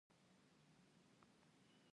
ګاز د افغانستان د سیاسي جغرافیه برخه ده.